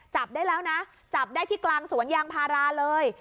จับได้แล้วนะจับได้ที่กลางสวนยางพาราเลย